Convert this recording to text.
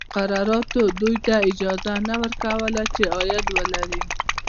مقرراتو دوی ته اجازه نه ورکوله چې عاید ولري.